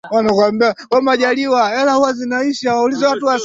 Wewe ni mkali